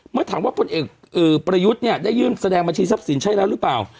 เมื่อถามว่าพลเอกประยุทธ์เนี่ยได้ยื่นแสดงบัญชีทรัพย์สินใช่แล้วหรือเปล่า